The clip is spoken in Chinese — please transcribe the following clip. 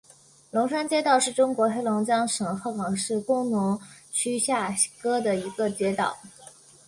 龙山街道是中国黑龙江省鹤岗市工农区下辖的一个街道。